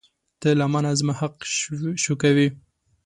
ته له مانه زما حق شوکوې.